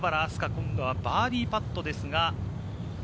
今度はバーディーパットですが。